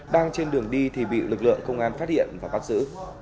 đang trên đường đi thì bị lực lượng công an phát hiện và bắt giữ